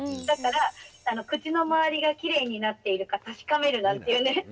だから「口のまわりがきれいになっているかたしかめる」なんていうね